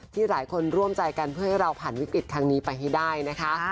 ที่หลายคนร่วมใจกันเพื่อให้เราผ่านวิกฤตทางนี้ไปให้ได้นะคะ